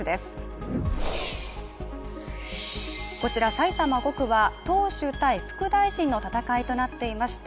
埼玉５区は党首対副大臣の戦いとなっていました。